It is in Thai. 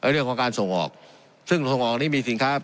เรื่องของการส่งออกซึ่งส่งออกนี้มีสินค้า